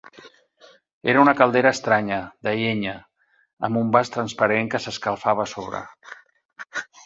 Era una caldera estranya, de llenya, amb un vas transparent que s'escalfava a sobre.